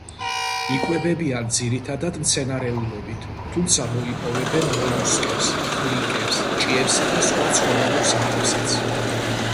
იკვებებიან ძირითადად მცენარეულობით, თუმცა მოიპოვებენ მოლუსკებს, ხვლიკებს, ჭიებსა და სხვა ცხოველურ საკვებსაც.